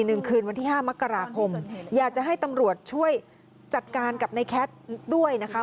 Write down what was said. หนึ่งคืนวันที่ห้ามกราคมอยากจะให้ตำรวจช่วยจัดการกับในแคทด้วยนะคะ